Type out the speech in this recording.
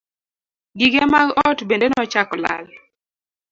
Gige mag ot bende nochako lal.